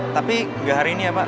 tapi nggak hari ini ya pak